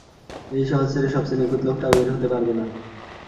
এই শহর ছেড়ে সবচে নিখুঁত লোকটাও বের হতে পারবে না।